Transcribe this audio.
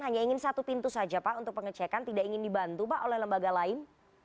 hanya ingin satu pintu saja pak untuk pengecekan tidak ingin dibantu pak oleh lembaga lain